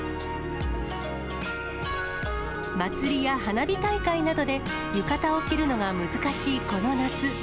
祭りや花火大会などで浴衣を着るのが難しいこの夏。